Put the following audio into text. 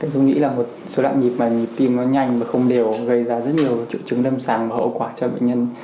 dung nghĩ là một số đoạn nhịp mà nhịp tim nó nhanh và không đều gây ra rất nhiều triệu chứng đâm sàng và hậu quả cho bệnh nhân